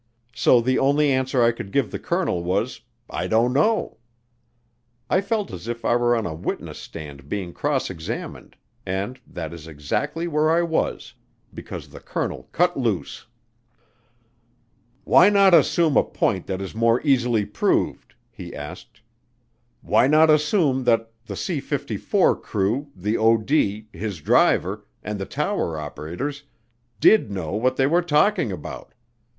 So the only answer I could give the colonel was, "I don't know." I felt as if I were on a witness stand being cross examined, and that is exactly where I was, because the colonel cut loose. "Why not assume a point that is more easily proved?" he asked. "Why not assume that the C 54 crew, the OD, his driver, and the tower operators did know what they were talking about?